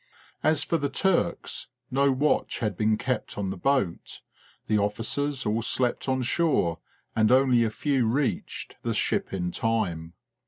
As for the Turks, no watch had been kept on the boat ; the officers all slept on shore and only a few reached the ship in time.